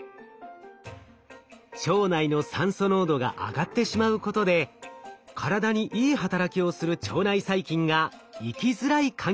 腸内の酸素濃度が上がってしまうことで体にいい働きをする腸内細菌が生きづらい環境になっていたのです。